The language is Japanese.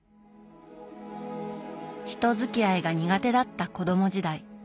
人づきあいが苦手だった子ども時代。